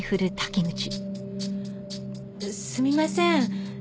すみません。